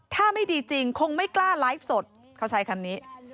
ถ้าไม่ดีจริงคงไม่กล้าไลฟ์สดเขาใช้คำนี้